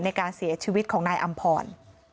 ในการเสียชีวิตของนายอำพร